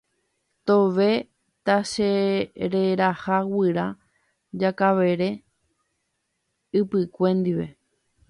tove tachereraha guyra Jakavere Ypykue ndive.